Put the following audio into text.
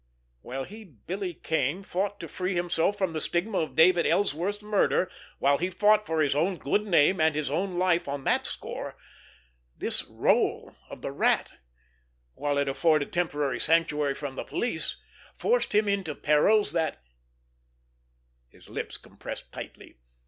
While he, Billy Kane, fought to free himself from the stigma of David Ellsworth's murder, while he fought for his own good name and his own life on that score, this rôle of the Rat, while it afforded temporary sanctuary from the police, forced him into perils that—— His lips compressed tightly.